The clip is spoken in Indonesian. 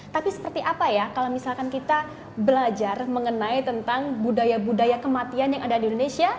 tapi seperti apa ya kalau misalkan kita belajar mengenai tentang budaya budaya kematian yang ada di indonesia